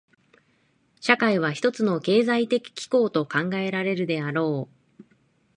社会は一つの経済的機構と考えられるであろう。